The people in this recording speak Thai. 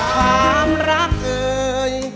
ความรักเอ่ย